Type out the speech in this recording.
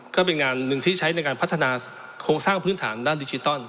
ก็เป็นงานหนึ่งที่ใช้ในการพัฒนาโครงสร้างพื้นฐานด้านดิจิตอล